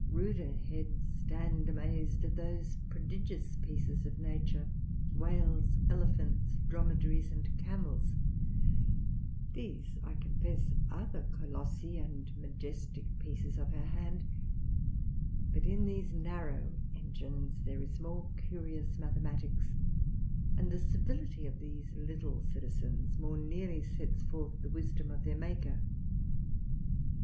Ruder heads stand amazed at those prodigious pieces of nature whales, elephants, dromedaries, and camels; these, I confess, are the colossi and majestic pieces of her hand: but in these narrow engines there is more curious mathematics; and the civility of these little citizens more neatly sets forth the wisdom of their Maker.